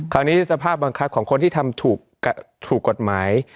คราวนี้สภาพบังคับของคนที่ทำถูกกฐุกฏหมาย